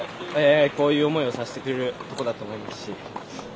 こういう思いをさせてくれるとこだと思いますし。